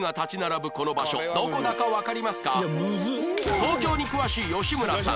東京に詳しい吉村さん